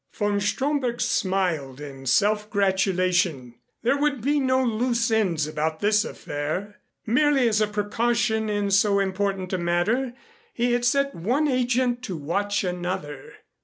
Von Stromberg smiled in self gratulation. There would be no loose ends about this affair. Merely as a precaution in so important a matter he had set one agent to watch another.